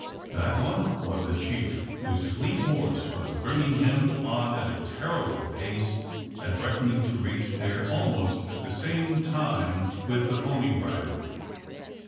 That one was the chief, whose fleet horse was bringing him on at a terrible pace, and threatening to reach there almost at the same time with the pony rider.